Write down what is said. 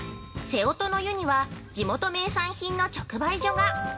◆「瀬音の湯」には地元名産品の直売所が！